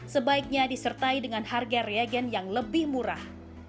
sebaiknya disertai dengan harga reagen yang lebih murah